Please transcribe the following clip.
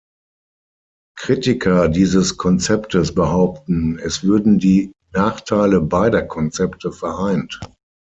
Kritiker dieses Konzeptes behaupten, es würden die Nachteile beider Konzepte vereint.